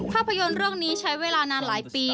ภาพยนตร์เรื่องนี้ใช้เวลานานหลายปี